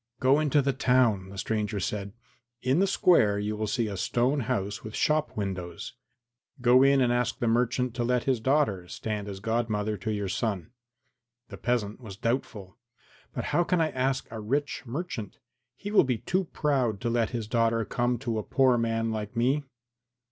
"Go into the town," the stranger said; "in the square you will see a stone house with shop windows; go in and ask the merchant to let his daughter stand as godmother to your son." The peasant was doubtful. "But how can I ask a rich merchant? He will be too proud to let his daughter come to a poor man like me."